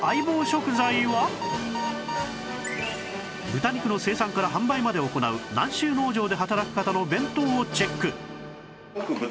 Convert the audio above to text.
豚肉の生産から販売までを行う南州農場で働く方の弁当をチェック